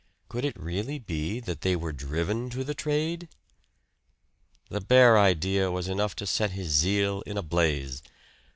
Could it really be that they were driven to the trade? The bare idea was enough to set his zeal in a blaze.